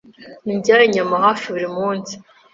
Ndya inyama hafi buri munsi.